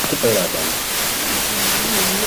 wa kikabila wa kabila la watu wa Kituruki